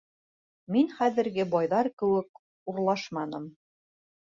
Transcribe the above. Мин хәҙерге байҙар кеүек урлашманым.